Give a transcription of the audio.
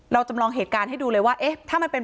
จำลองเหตุการณ์ให้ดูเลยว่าเอ๊ะถ้ามันเป็น